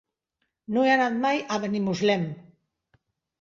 No he anat mai a Benimuslem.